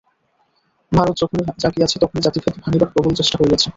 ভারত যখনই জাগিয়াছে, তখনই জাতিভেদ ভাঙিবার প্রবল চেষ্টা হইয়াছে।